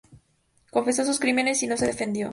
Confesó sus crímenes y no se defendió.